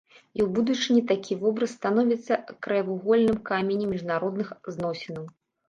І ў будучыні такі вобраз становіцца краевугольным каменем міжнародных зносінаў.